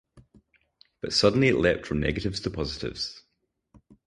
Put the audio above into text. But suddenly it leapt from negatives to positives.